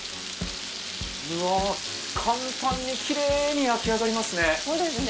うわ簡単にきれいに焼きあがりますね。